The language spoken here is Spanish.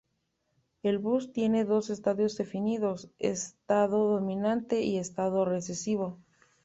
El bus tiene dos estados definidos: estado dominante y estado recesivo.